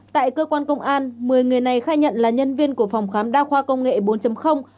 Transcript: tại cơ quan công an một mươi người này khai nhận là nhân viên của phòng khám đa khoa công nghệ bốn